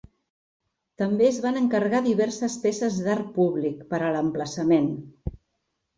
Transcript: També es van encarregar diverses peces d'art públic per a l'emplaçament.